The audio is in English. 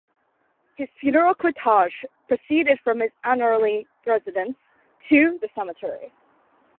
His funeral cortage proceeded from his Annerley residence to the cemetery.